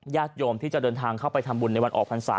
ญาติโยมที่จะเดินทางเข้าไปทำบุญในวันออกพรรษา